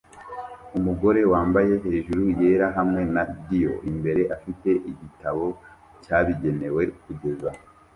Umugore wambaye hejuru yera hamwe na Dior imbere afite igitabo cyabigenewe kugeza